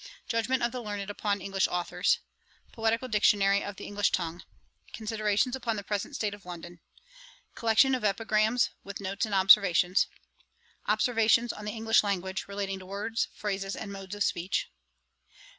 'Judgement of the learned upon English authours. 'Poetical Dictionary of the English tongue. 'Considerations upon the present state of London. 'Collection of Epigrams, with notes and observations. 'Observations on the English language, relating to words, phrases, and modes of Speech.